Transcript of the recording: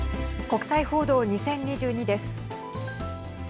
国際報道２０２２です。